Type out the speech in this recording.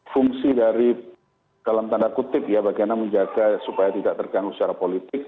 fungsi dari dalam tanda kutip ya bagaimana menjaga supaya tidak terganggu secara politik